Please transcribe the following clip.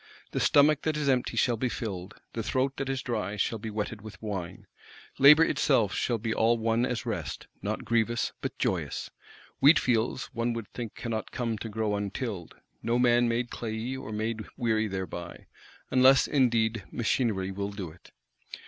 The stomach that is empty shall be filled; the throat that is dry shall be wetted with wine. Labour itself shall be all one as rest; not grievous, but joyous. Wheatfields, one would think, cannot come to grow untilled; no man made clayey, or made weary thereby;—unless indeed machinery will do it?